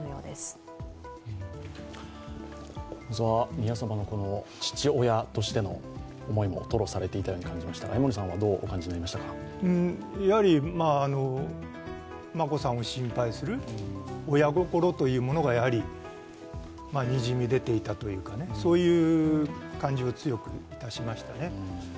宮さまの父親としての思いも吐露されていたように感じましたが、江森さんは、どうお感じになられましたか？眞子さんを心配する親心というものが、にじみ出ていたというかそういう感じを強くいたしましたね。